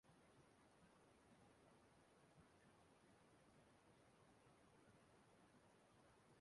E Jidela Mmadụ Anọ Na-Apụnara Mmadụ Ụgbọala n'Anambra